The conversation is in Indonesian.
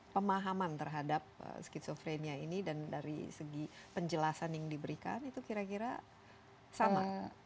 pemahaman terhadap skizofrenia ini dan dari segi penjelasan yang diberikan itu kira kira sama